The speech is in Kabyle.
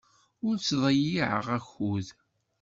Ur ttḍeyyiɛen akud.